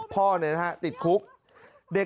มันตายมาแล้วมันตายมาแล้ว